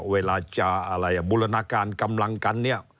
เวลาบุรนาการกำลังกัน